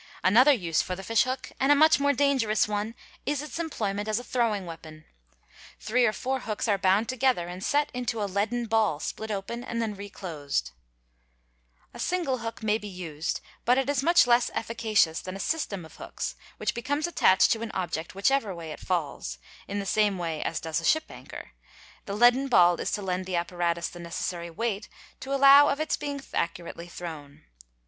: Another use for the fishhook, and a much more dangerous one, is its' employment as a throwing weapon. Three or four hooks are bound together and set into a leaden ball split open and then reclosed (fig. 36). A single hook may be used but it is much less efficacious than a system of hooks, which becomes attached to an object whichever way it falls Gn the same way as does a ship's anchor); the leaden ball is to :) lend the apparatus the necessary weight to allow of its being accurately thrown.